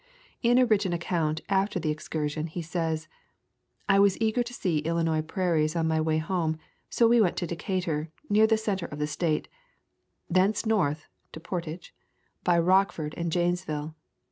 In an account written after the excursion he says: "I was eager to see Illinois prairies on my way home, so we went to Decatug, near the center of the State, thence north [to Portage] by Rockford and Janesville.